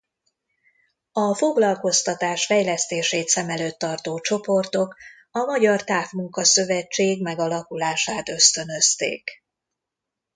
A foglalkoztatás fejlesztését szem előtt tartó csoportok a Magyar Távmunka Szövetség megalakulását ösztönözték.